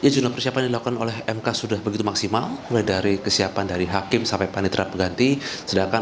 jurnal persiapan yang dilakukan oleh mk sudah begitu maksimal mulai dari kesiapan dari hakim sampai panitra peganti sedangkan untuk ruang sidang juga sudah disiapkan